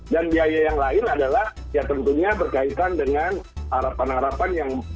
dan biaya yang lain adalah ya tentunya berkaitan dengan harapan harapan yang